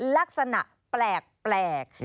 ลักษณะแปลก